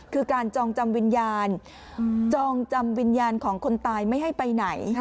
คือการจองจำวิญญาณจองจำวิญญาณของคนตายไม่ให้ไปไหน